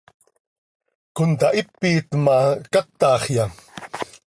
¿Contahipit ma, cátaxya?